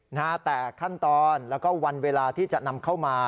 นะฮะแต่ขั้นตอนแล้วก็วันเวลาที่จะนำเข้ามา